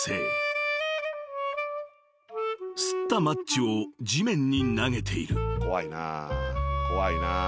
［擦ったマッチを地面に投げている］